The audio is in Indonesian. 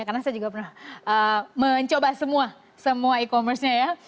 karena saya juga pernah mencoba semua e commerce nya ya